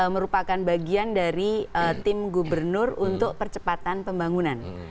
merupakan bagian dari tim gubernur untuk percepatan pembangunan